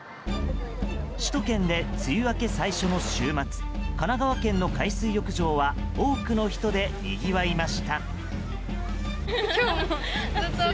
首都圏で梅雨明け最初の週末神奈川県の海水浴場は多くの人でにぎわいました。